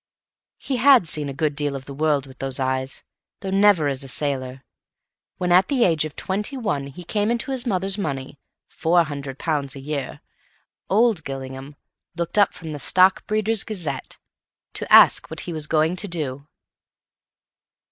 He had seen a good deal of the world with those eyes, though never as a sailor. When at the age of twenty one he came into his mother's money, £400 a year, old Gillingham looked up from the "Stockbreeders' Gazette" to ask what he was going to do.